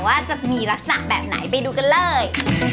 ว่าจะมีลักษณะแบบไหนไปดูกันเลย